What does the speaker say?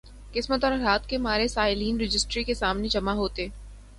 قسمت اور حالات کے مارے سائلین رجسٹری کے سامنے جمع ہوتے۔